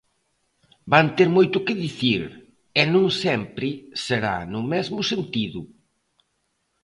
Van ter moito que dicir, e non sempre será no mesmo sentido.